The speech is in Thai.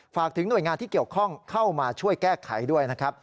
ฝากถึงหน่วยงานที่เกี่ยวข้องเข้ามาช่วยแก้ไขด้วยนะครับ